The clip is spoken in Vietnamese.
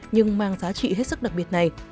nhưng mang giá trị hết sức đặc biệt này